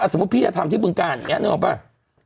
สมมุติพี่จะทำภาพปรึงกาแบบนี้นึกออกไหม